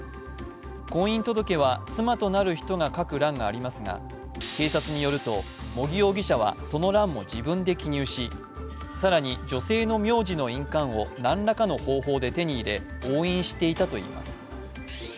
婚姻届は妻となる人が書く欄がありますが警察によると、茂木容疑者はその欄も自分で記入し、更に女性の名字の印鑑を何らかの方法で手に入れ、押印していたといいます。